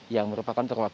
yang merupakan perusahaan